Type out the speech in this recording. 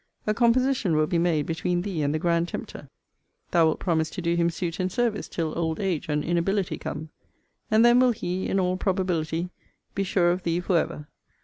A composition will be made between thee and the grand tempter: thou wilt promise to do him suit and service till old age and inability come. And then will he, in all probability, be sure of thee for ever.